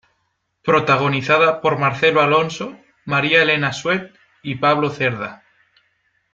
Protagonizada por Marcelo Alonso, María Elena Swett y Pablo Cerda.